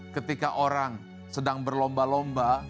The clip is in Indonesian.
ketika orang sedang berlomba lomba